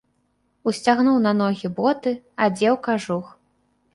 Усцягнуў на ногі боты, адзеў кажух.